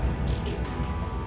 gak ada urusannya sama nathan